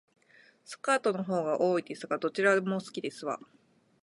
スカートの方が多いですが、どちらも好きですわ